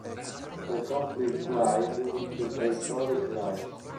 The Complete Guide to Prehistoric Life.